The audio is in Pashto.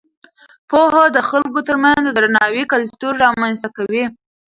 پوهه د خلکو ترمنځ د درناوي کلتور رامینځته کوي.